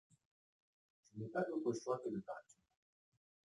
Je n'ai pas d'autre choix que de partir.